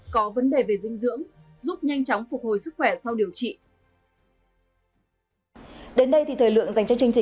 có vấn đề về dinh dưỡng giúp nhanh chóng phục hồi sức khỏe sau điều trị